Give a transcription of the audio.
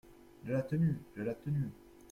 De la tenue ! de la tenue !